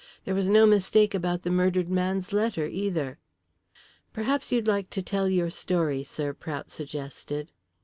There was no mistake about the murdered man's letter either. "Perhaps you'd like to tell your story, sir," Prout suggested.